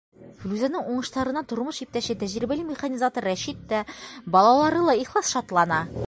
Флүзәнең уңыштарына тормош иптәше, тәжрибәле механизатор Рәшит тә, балалары ла ихлас шатлана.